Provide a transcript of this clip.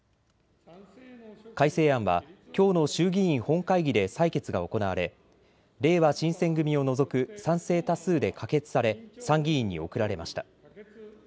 改正案はきょうの衆議院本会議で採決が行われ、れいわ新選組を除く賛成多数で可決され参議院に送られました。